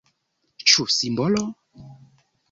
Ĉu simbolo?